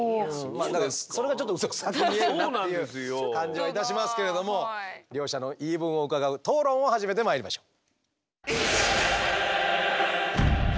だからそれがちょっと嘘くさく見えるなっていう感じはいたしますけれども両者の言い分を伺う討論を始めてまいりましょう。